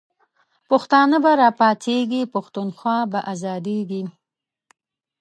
پښتانه به راپاڅیږی، پښتونخوا به آزادیږی